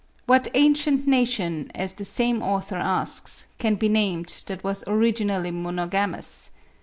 What ancient nation, as the same author asks, can be named that was originally monogamous?